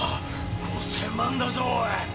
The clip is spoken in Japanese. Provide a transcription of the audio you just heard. ５０００万だぞおい！